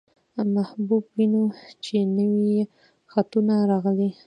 محبوب وينو، چې نوي يې خطونه راغلي.